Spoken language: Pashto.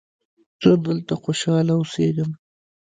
زه دلته خوشحاله اوسیږم.